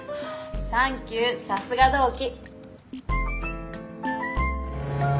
サンキューさすが同期。